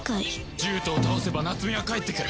獣人を倒せば夏美は帰ってくる！